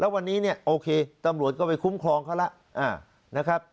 วันนี้เนี่ยโอเคตำรวจก็ไปคุ้มครองเขาแล้วนะครับ